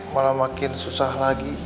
malah makin susah lagi